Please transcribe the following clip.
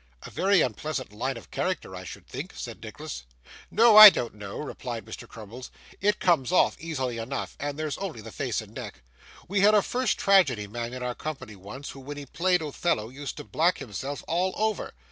'A very unpleasant line of character, I should think?' said Nicholas. 'No, I don't know,' replied Mr. Crummles; 'it comes off easily enough, and there's only the face and neck. We had a first tragedy man in our company once, who, when he played Othello, used to black himself all over.